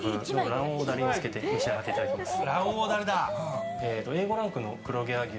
卵黄ダレにつけて召し上がっていただきます。